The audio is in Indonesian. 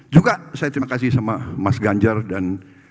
juga saya terima kasih sama mas ganjar dan